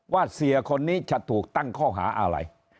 เสียคนนี้จะถูกตั้งข้อหาอะไร